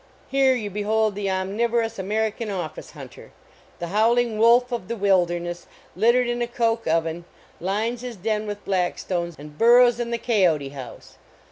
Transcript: Here you behold the omniverous Ameri can Office Hunter, the howling wolf of the wilderness, littered in a Coke oven, lines his clen with Blackstones, and burrows in the Cayote house.